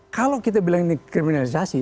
kalau kita bilang ini kriminalisasi